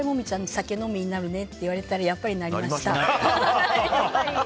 酒飲みになるねって言われたらやっぱりなりました。